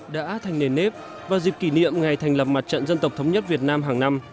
đã thành nền nếp vào dịp kỷ niệm ngày thành lập mặt trận dân tộc thống nhất việt nam hàng năm